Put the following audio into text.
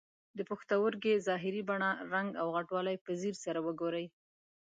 د پښتورګي ظاهري بڼه، رنګ او غټوالی په ځیر سره وګورئ.